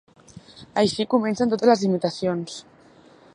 Així comencen totes les imitacions.